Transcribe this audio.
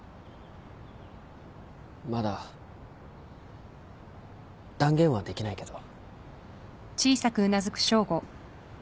まだ断言はできないけど。